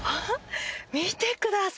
見てください